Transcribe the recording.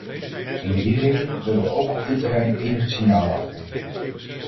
Om die reden willen we ook op dit terrein enige signalen afgeven.